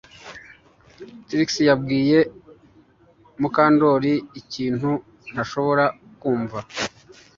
Trix yabwiye Mukandoli ikintu ntashobora kumva